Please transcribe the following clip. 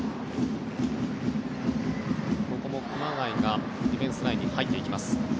ここも熊谷がディフェンスラインに入っていきます。